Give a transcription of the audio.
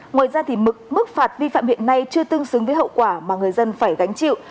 ngoài ra mức phạt vi phạm hiện nay chưa tương xứng với hậu quả mà người dân phải gánh chịu